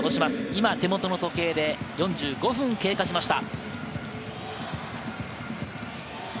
今、手元の時計で４５分を経過しました。